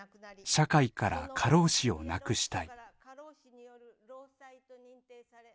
社会から過労死をなくしたい。